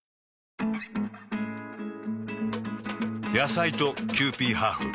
野菜とキユーピーハーフ。